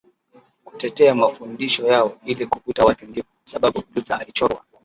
kutetea mafundisho yao ili kuvuta watu Ndiyo sababu Luther alichorwa